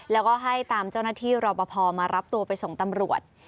แล้วก็ให้ตามเจ้าหน้าที่รอปภมารับตัวไปส่งตำรวจ